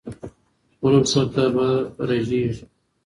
خپلو پښو ته به رژېږې